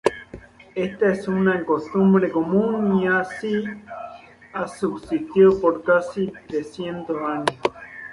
Esta es una costumbre común y así ha subsistido por casi trescientos años.